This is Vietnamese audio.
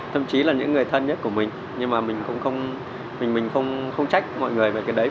thậm chí là những người thân nhất của mình nhưng mà mình không trách mọi người về cái đấy